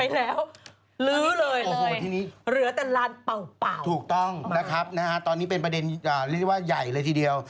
เหลือแต่ลานเป่านะครับตอนนี้เป็นประเด็นเรียกว่าใหญ่เลยทีเดียว